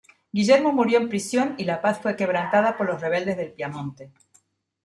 Guillermo murió en prisión y la paz fue quebrantada por los rebeldes del Piamonte.